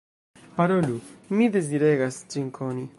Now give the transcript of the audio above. Parolu; mi deziregas ĝin koni.